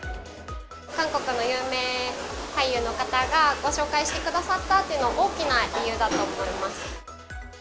韓国の有名俳優の方が、ご紹介してくださったっていうのが大きな理由だと思います。